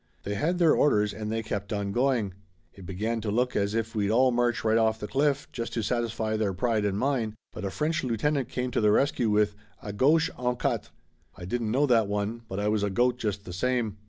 They had their orders and they kept on going. It began to look as if we'd all march right off the cliff just to satisfy their pride and mine, but a French lieutenant came to the rescue with 'a gauche en quatre!' I didn't know that one, but I was a goat just the same.